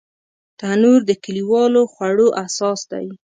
تنور د کلیوالو خوړو اساس دی